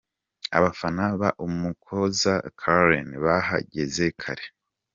Abafana ba Umuhoza Karen bahageze kare.